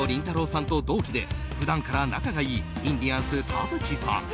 さんと同期で普段から仲がいいインディアンス田渕さん。